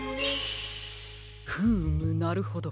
フームなるほど。